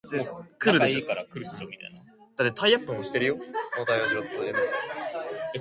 Senators from Maryland.